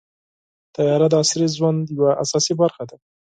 طیاره د عصري ژوند یوه اساسي برخه ده.